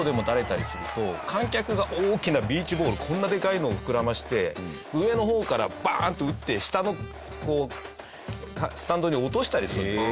観客が大きなビーチボールこんなでかいのを膨らませて上の方からバーンと打って下のスタンドに落としたりするんです。